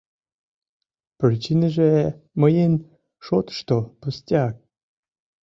Причиныже, мыйын шотышто, пустяк...